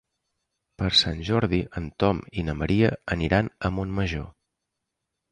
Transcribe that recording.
Per Sant Jordi en Tom i na Maria aniran a Montmajor.